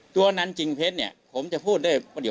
ตัวนั้นจริงเพชรผมจะพูดได้